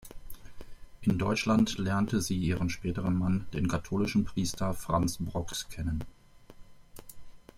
In Deutschland lernte sie ihren späteren Mann, den katholischen Priester Franz Brox kennen.